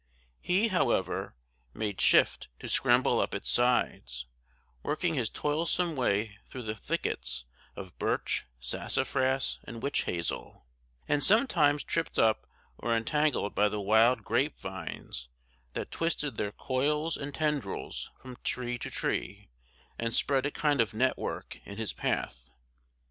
He, however, made shift to scramble up its sides, working his toilsome way through thickets of birch, sassafras, and witch hazel; and sometimes tripped up or entangled by the wild grape vines that twisted their coils and tendrils from tree to tree, and spread a kind of network in his path.